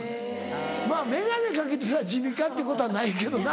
まぁ眼鏡掛けてたら地味かっていうことはないけどな。